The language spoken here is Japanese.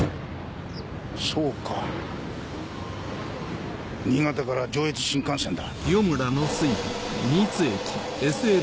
そうか新潟から上越新幹線だ！